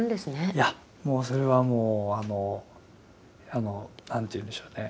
いやそれはもうなんていうんでしょうね